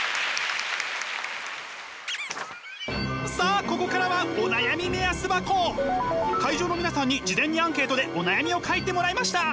さあここからは会場の皆さんに事前にアンケートでお悩みを書いてもらいました。